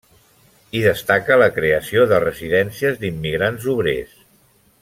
Hi destaca la creació de residències d'immigrants obrers.